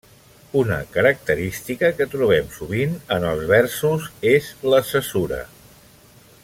Una característica que trobem sovint en els versos és la cesura.